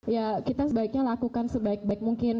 ya kita sebaiknya lakukan sebaik baik mungkin